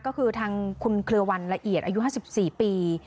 ก็คือทางคุณเคลือวันละเอียดอายุ๕๔ปี